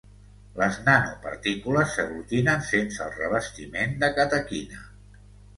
Les nanopartícules s'aglutinen sense el revestiment de catequina.